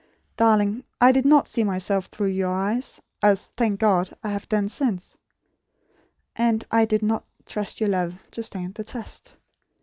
Darling, I did not see myself through your eyes, as, thank God, I have done since. And I DID NOT TRUST YOUR LOVE TO STAND THE TEST.